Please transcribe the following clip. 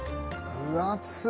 分厚い！